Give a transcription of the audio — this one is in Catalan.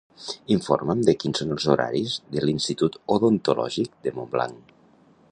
Informa'm de quins són els horaris de l'institut odontològic de Montblanc.